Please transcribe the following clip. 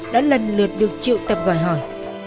đã lần lượt được triệu tập gọi hỏi